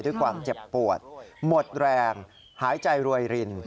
ด้วยความเจ็บปวดหมดแรงหายใจรวยริน